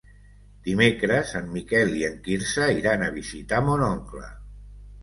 Dimecres en Miquel i en Quirze iran a visitar mon oncle.